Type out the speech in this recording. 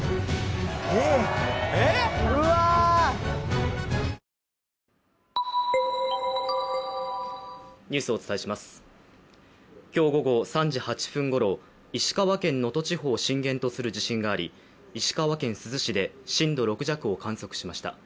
うわ今日午後３時８分ごろ、石川県能登地方を震源とする地震があり石川県珠洲市で震度６弱を観測しました。